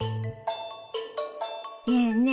ねえねえ